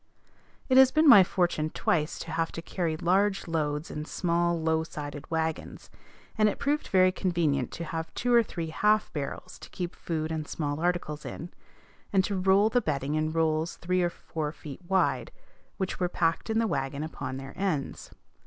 It has been my fortune twice to have to carry large loads in small low sided wagons; and it proved very convenient to have two or three half barrels to keep food and small articles in, and to roll the bedding in rolls three or four feet wide, which were packed in the wagon upon their ends.